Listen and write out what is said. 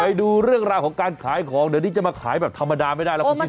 ไปดูเรื่องราวของการขายของเดี๋ยวนี้จะมาขายแบบธรรมดาไม่ได้แล้วคุณผู้ชม